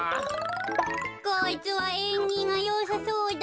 こいつはえんぎがよさそうだ。